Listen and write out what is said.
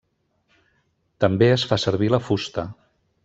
També es fa servir la fusta.